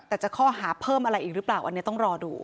แต่จะข้อหาเพิ่มอะไรอีกหรือเปล่าอันนี้ต้องรอดู